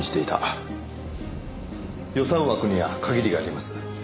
予算枠には限りがあります。